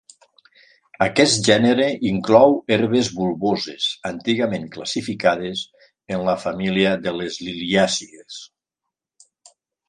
Aquest gènere inclou herbes bulboses antigament classificades en la família de les liliàcies.